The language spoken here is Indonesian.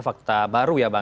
fakta baru ya bang